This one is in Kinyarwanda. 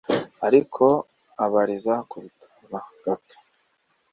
Ariko abariza kubitarura gato,